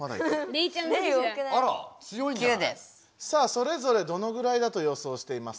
レイ多くない？さあそれぞれどのぐらいだと予想していますか？